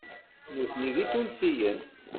Nutni d Itunsiyen.